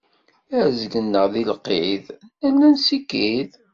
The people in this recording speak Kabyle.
A rrezg-nneɣ di lqid, nerna nessikid.